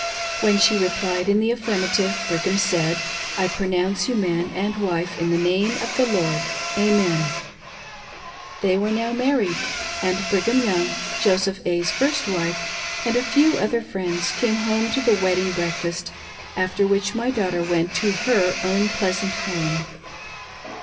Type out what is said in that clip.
When she replied in the affirmative, Brigham said, " I pronounce you man and wife in the name of the Lord. Amen." They were now married ; and Brigham Young, Joseph A.'s first wife, and a few other friends came home to the wedding breakfast, after which my daughter went to her own pleasant home.